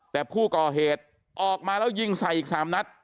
แต่ผู้ก่อเหตุออกมาแล้วยิงใส่อีก๓นัด